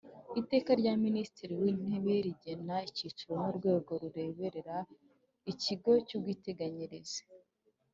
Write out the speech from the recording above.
Iteka rya minisitiri w intebe rigena icyiciro n urwego rureberera ikigo cy ubwiteganyirize